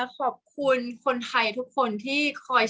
ขอบคุณคนไทยทุกคนที่คอย